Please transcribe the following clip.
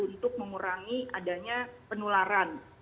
untuk mengurangi adanya penularan